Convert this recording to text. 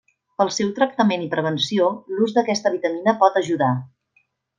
Pel seu tractament i prevenció l'ús d'aquesta vitamina pot ajudar.